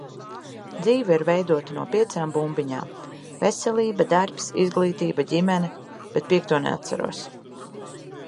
Dzīve ir veidota no piecām bumbiņām - veselība, darbs, izglītība, ģimene, bet piekto neatceros.